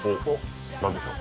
何でしょう？